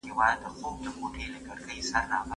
ایا تولستوی له مرګ څخه ډارېده؟